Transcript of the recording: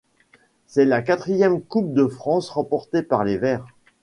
C'est la quatrième Coupe de France remportée par les Verts.